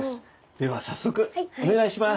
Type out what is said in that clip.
では早速お願いします。